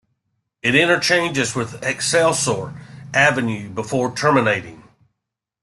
It interchanges with Excelsior Avenue before terminating.